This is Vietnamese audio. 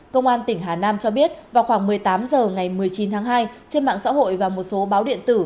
công an tỉnh hà nam cho biết vào khoảng một mươi tám h ngày một mươi chín tháng hai trên mạng xã hội và một số báo điện tử